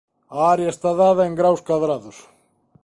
A área está dada en graos cadrados.